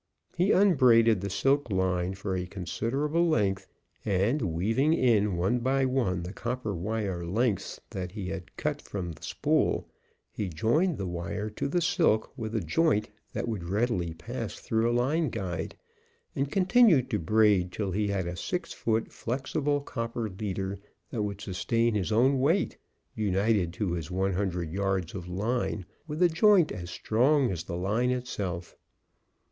He unbraided the silk line for a considerable length, and weaving in one by one the copper wire lengths that he had cut from the spool, he joined the wire to the silk with a joint that would readily pass through a line guide, and continued to braid till he had a six foot, flexible copper leader that would sustain his own weight, united to his one hundred yards of line with a joint as strong as the line itself.